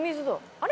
あれ？